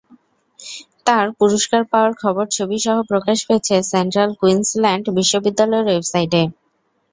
তাঁর পুরস্কার পাওয়ার খবর ছবিসহ প্রকাশ পেয়েছে সেন্ট্রাল কুইন্সল্যান্ড বিশ্ববিদ্যালয়ের ওয়েবসাইটে।